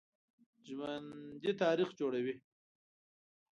ژوندي تاریخ جوړوي